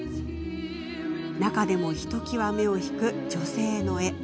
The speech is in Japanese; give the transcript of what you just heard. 中でもひときわ目を引く女性の絵。